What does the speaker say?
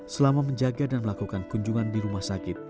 selama menjaga dan melakukan kunjungan di rumah sakit